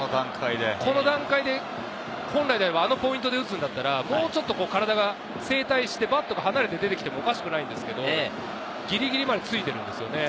この段階で本来ではあのポイントで打つのであれば、体が正体してバットが離れて出てきてもおかしくないんですけれど、ぎりぎりまでついてるんですよね。